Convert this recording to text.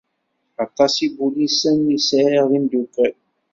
Aṭas ipulisen i sεiɣ d imdukal.